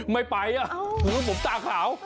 ไม่ไปเหรอผมตากล่าว